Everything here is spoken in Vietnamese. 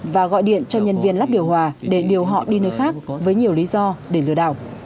và gọi điện cho nhân viên lắp điều hòa để điều họ đi nơi khác với nhiều lý do để lừa đảo